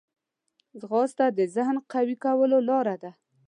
ځغاسته د ذهن قوي کولو لاره ده